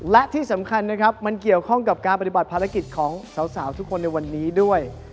และที่สำคัญนะครับมันเกี่ยวข้องกับการปฏิบัติภารกิจของสาวทุกคนในวันนี้ด้วย